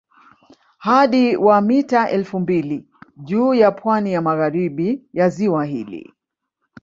Hadi wa mita elfu mbili juu ya pwani ya magharibi ya ziwa hili